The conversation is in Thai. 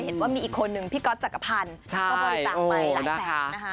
เห็นว่ามีอีกคนนึงพี่ก๊อตจักรพันธ์ก็บริจาคไปหลายแสนนะคะ